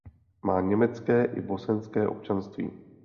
Má německé i bosenské občanství.